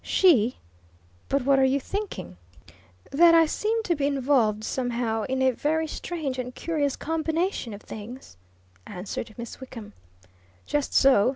She but what are you thinking?" "That I seem to be involved, somehow, in a very strange and curious combination of things," answered Miss Wickham. "Just so!"